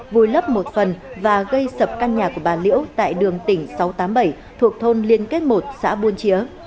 vùi lấp một phần và gây sập căn nhà của bà liễu tại đường tỉnh sáu trăm tám mươi bảy thuộc thôn liên kết một xã buôn chĩa